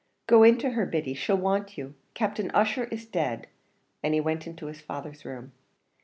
"Go in to her, Biddy, she'll want you; Captain Ussher is dead," and he went into his father's room.